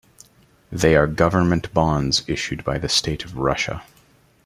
They are government bonds issued by the state of Russia.